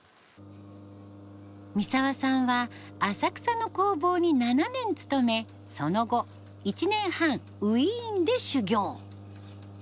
三澤さんは浅草の工房に７年勤めその後１年半ウィーンで修業。